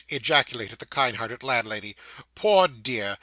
ejaculated the kind hearted landlady. 'Poor dear.